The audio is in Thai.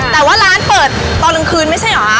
แต่ว่าร้านเปิดตอนกลางคืนไม่ใช่เหรอ